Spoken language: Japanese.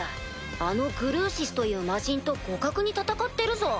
あのグルーシスという魔人と互角に戦ってるぞ。